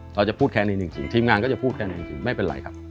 เราจะพูดแค่นี้หนึ่งสิ่งทีมงานก็จะพูดแค่นี้หนึ่งสิ่งไม่เป็นไรครับ